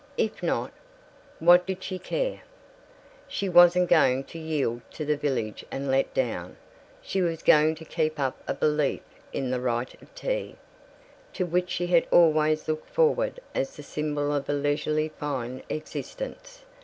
If not what did she care? She wasn't going to yield to the village and let down; she was going to keep up a belief in the rite of tea, to which she had always looked forward as the symbol of a leisurely fine existence.